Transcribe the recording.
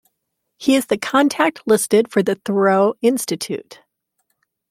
He is the contact listed for the Thoreau Institute.